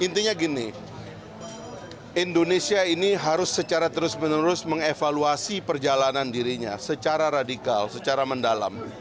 intinya gini indonesia ini harus secara terus menerus mengevaluasi perjalanan dirinya secara radikal secara mendalam